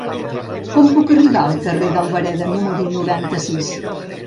Com puc arribar al carrer d'Albareda número noranta-sis?